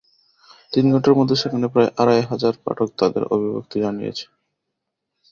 তিন ঘণ্টার মধ্যে সেখানে প্রায় আড়াই হাজার পাঠক তাঁদের অভিব্যক্তি জানিয়েছেন।